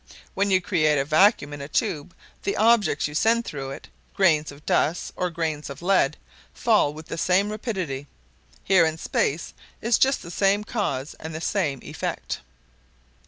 When you create a vacuum in a tube, the objects you send through it, grains of dust or grains of lead, fall with the same rapidity. Here in space is the same cause and the same effect."